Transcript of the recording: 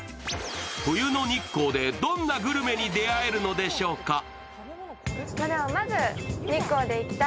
冬の日光で、どんなグルメに出会えるのでしょうか？